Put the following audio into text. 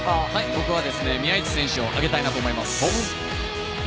僕は宮市選手を挙げたいと思います。